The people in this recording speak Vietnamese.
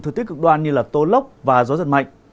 thực tích cực đoan như tố lốc và gió giật mạnh